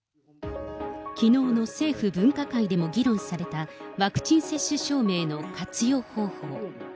きのうの政府分科会でも議論されたワクチン接種証明の活用方法。